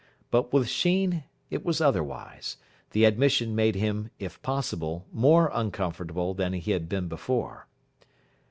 But with Sheen it was otherwise. The admission made him if possible, more uncomfortable than he had been before.